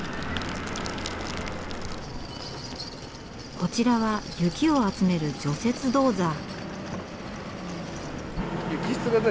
こちらは雪を集める除雪ドーザー。